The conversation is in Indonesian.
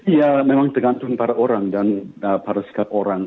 ya memang tergantung pada orang dan pada sikap orang